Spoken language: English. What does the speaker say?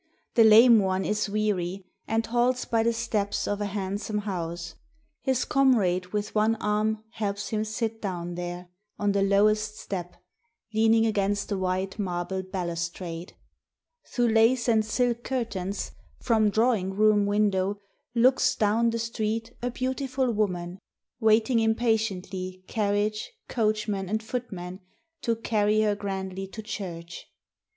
The lame one is weary, and halts by the steps of a handsome house; his comrade with one arm helps him sit down there, on the lowest step, leaning against the white marble balustrade. Through lace and silk curtains, from drawing room window, looks down the street a beautiful woman, waiting impatiently carriage, coachman, and footman, to carry her grandly to church.